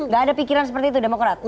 gak ada pikiran seperti itu demokrat